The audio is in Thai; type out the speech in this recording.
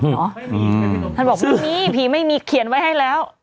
ท่านบอกไม่มีผีไม่มีเขียนไว้ให้แล้ว